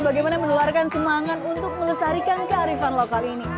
bagaimana menularkan semangat untuk melestarikan kearifan lokal ini